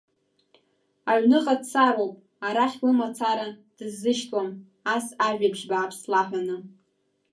Аҩныҟа дцароуп, арахь лымацара дысзышьҭуам, ас ажәабжь бааԥс лаҳәаны.